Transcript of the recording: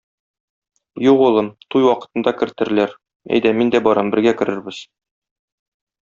Юк, улым, туй вакытында кертерләр, әйдә, мин дә барам, бергә керербез.